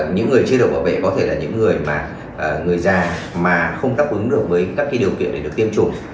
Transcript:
những người chưa được bảo vệ có thể là những người mà người già mà không đáp ứng được với các điều kiện để được tiêm chủng